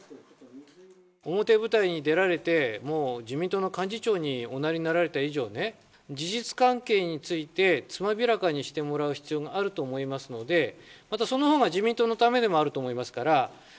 表舞台に出られて、もう自民党の幹事長におなりになられた以上ね、事実関係についてつまびらかにしていただく必要があると思いますので、また、そのほうが自民党のためでもあると思いますから。